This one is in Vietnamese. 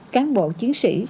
cán bộ chiến sĩ